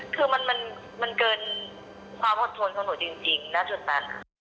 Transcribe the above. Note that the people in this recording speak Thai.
คือมันเกินความอดทนของหนูจริงณจุดนั้น